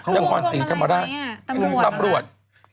ที่ควรสีธรรมราช